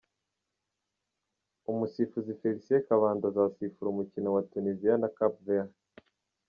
Umusifuzi Felicien Kabanda azasifura umukino wa Tuniziya na Cap Vert.